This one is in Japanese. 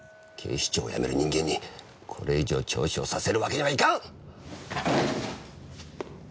警視庁を辞める人間にこれ以上聴取をさせるわけにはいかん！